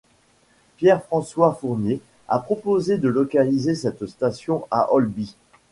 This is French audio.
Pierre-François Fournier a proposé de localiser cette station à Olby.